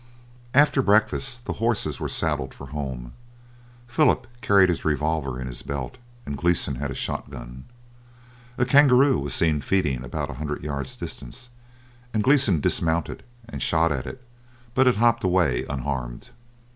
After breakfast the horses were saddled for home. Philip carried his revolver in his belt, and Gleeson had a shot gun. A kangaroo was seen feeding about a hundred yards distant, and Gleeson dismounted and shot at it, but it hopped away unharmed.